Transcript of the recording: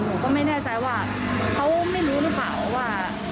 หนูก็ไม่แน่ใจว่าเขาไม่รู้หรือเปล่าว่า